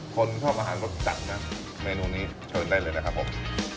คนชอบอาหารรสจัดนะเมนูนี้เชิญได้เลยนะครับผม